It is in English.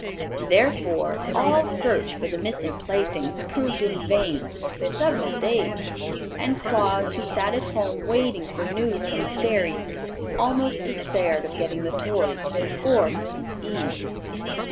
Therefore all search for the missing playthings proved in vain for several days, and Claus, who sat at home waiting for news from the Fairies, almost despaired of getting the toys before Christmas Eve.